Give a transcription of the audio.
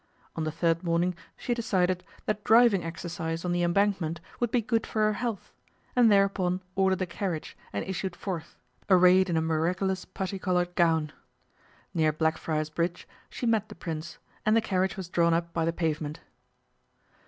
On the third morning she decided that driving exercise on the Embankment would be good for her health, and thereupon ordered a carriage and issued forth, arrayed in a miraculous putty coloured gown. Near Blackfriars Bridge she met the Prince, and the carriage was drawn up by the pavement.